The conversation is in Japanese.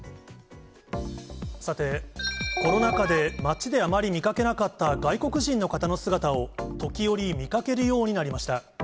さて、コロナ禍で街であまり見かけなかった外国人の方の姿を、時折見かけるようになりました。